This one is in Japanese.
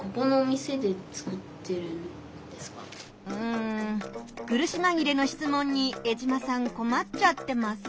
うん苦しまぎれの質問に江島さんこまっちゃってます。